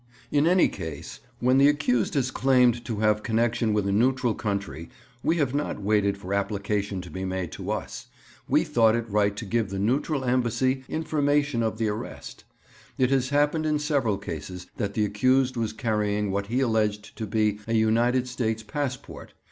'In any case when the accused has claimed to have connexion with a neutral country we have not waited for application to be made to us. We thought it right to give the neutral Embassy information of the arrest. It has happened in several cases that the accused was carrying what he alleged to be a United States passport.